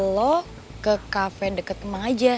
lo ke cafe deket emang aja